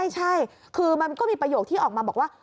ใช่คือมันก็มีประโยคที่ออกมาบอกว่า